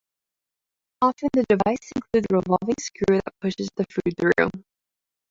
Often, the device includes a revolving screw that pushes the food through.